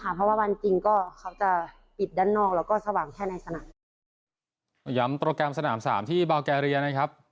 นำย้ำโปรแกรมสนาม๓ที่บาลกาเลียนะครับ